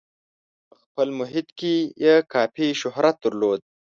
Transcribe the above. په خپل محیط کې یې کافي شهرت درلود.